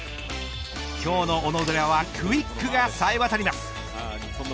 今日の小野寺はクイックがさえ渡ります。